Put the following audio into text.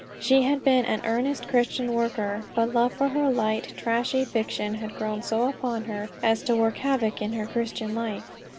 She had been an earnest Christian worker, but love for light, trashy fiction had so grown upon her as to work havoc in her Christian life.